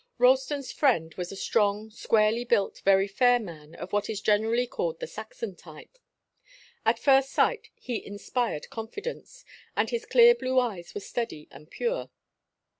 Ralston's friend was a strong, squarely built, very fair man, of what is generally called the Saxon type. At first sight, he inspired confidence, and his clear blue eyes were steady and true.